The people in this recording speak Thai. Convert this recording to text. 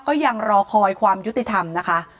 ก็ยังรอคอยความยุติธรรมนะคะ